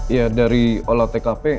ya dari olah tkp